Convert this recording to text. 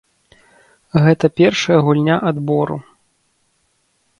Гэта першая гульня адбору.